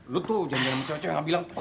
lu tuh janjian sama cewek cewek nggak bilang